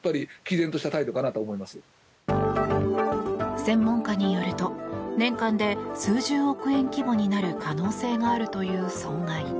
専門家によると年間で数十億円規模になる可能性があるという損害。